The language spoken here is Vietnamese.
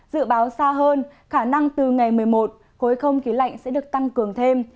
dự báo xa hơn khả năng từ ngày một mươi một khối không khí lạnh sẽ được tăng cường thêm